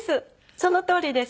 そのとおりです。